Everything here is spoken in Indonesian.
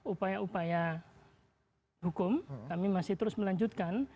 upaya upaya hukum kami masih terus melanjutkan